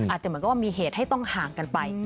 อาจจะเหมือนกับว่ามีเหตุให้ต้องห่างกันไป